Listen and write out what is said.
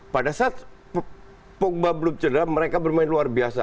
pada saat pogba belum cedera mereka bermain luar biasa